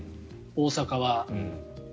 大阪は。